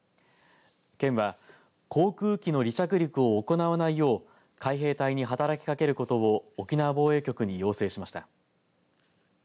県は航空機の離着陸を行わないよう海兵隊に働きかけることを沖縄防衛局に要請しました。